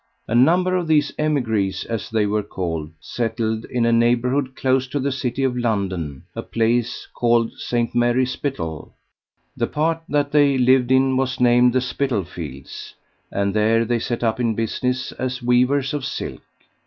A number of these émigrés, as they were called, settled in a neighbourhood close to the city of London; a place called Saint Mary Spital. The part that they lived in was named the Spital Fields, and there they set up in business as weavers of silk.